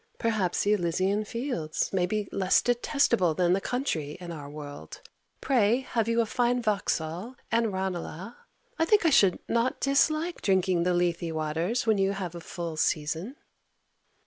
Perhaps the Elysian fields may be less detestable than the country in our world. Pray have you a fine Vauxhall and Ranelagh? I think I should not dislike drinking the Lethe waters when you have a full season.